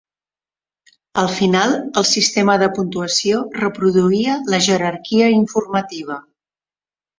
Al final el sistema de puntuació reproduïa la jerarquia informativa.